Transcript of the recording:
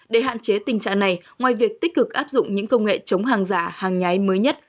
để hạn chế tình trạng này ngoài việc tích cực áp dụng những công nghệ chống hàng giả hàng nhái mới nhất